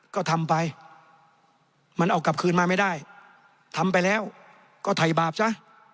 ก็ทำไปมันเอากลับคืนมาไม่ได้ทำไปแล้วก็ถ่ายบาปซะ